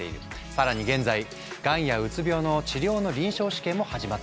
更に現在がんやうつ病の治療の臨床試験も始まっているんだ。